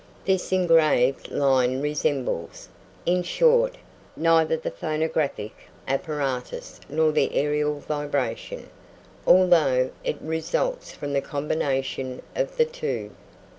This engraved line resembles, in short, neither the phonographic apparatus nor the aërial vibration, although it results from the combination of the two.